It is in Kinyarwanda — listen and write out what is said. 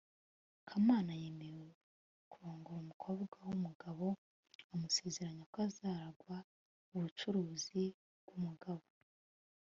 kamana yemeye kurongora umukobwa wumugabo amusezeranya ko azaragwa ubucuruzi bwumugabo